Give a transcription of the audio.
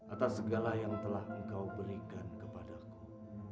atas segala yang telah engkau berikan kepadaku